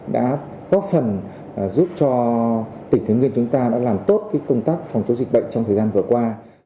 đã góp phần giúp cho tỉnh thái nguyên chúng ta đã làm tốt công tác phòng chống dịch bệnh trong thời gian vừa qua